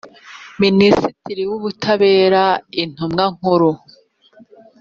minisitiri y’ubutabera intumwa nkuru